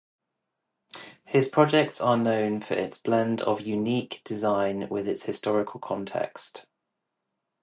His projects are known for its blend of unique design with its historical context.